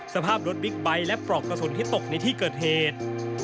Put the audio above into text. สภาพรถบิ๊กไบท์และปลอกกระสุนที่ตกในที่เกิดเหตุ